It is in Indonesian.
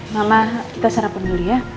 mama kita sarapan dulu ya